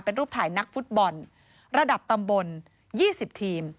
เป็นรูปถ่ายนักฟุตบอลระดับตำบล๒๐ทีม